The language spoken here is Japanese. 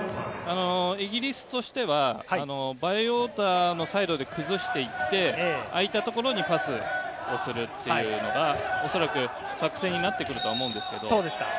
イギリスとしてはバイウォーターのサイドで崩して、あいたところにパスをするというのがおそらく作戦になってくると思うんですけど。